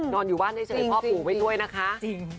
นอนอยู่บ้านให้เฉยพ่อผู้ไว้ด้วยนะคะจริงจริงจริง